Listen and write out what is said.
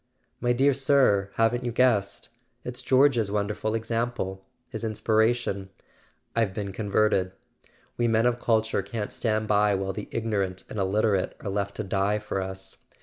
"My dear sir, haven't you guessed? It's George's wonderful example ... his inspiration. .. I've been converted! We men of culture can't stand by while the ignorant and illiterate are left to die for us.